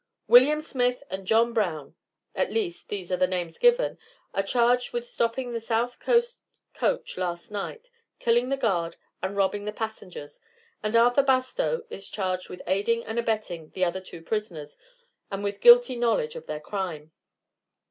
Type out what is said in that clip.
"William Smith and John Brown at least, these are the names given are charged with stopping the South Coast coach last night, killing the guard, and robbing the passengers; and Arthur Bastow is charged with aiding and abetting the other two prisoners, and with guilty knowledge of their crime."